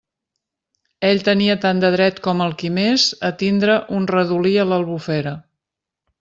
Ell tenia tant de dret com el qui més a tindre un redolí a l'Albufera.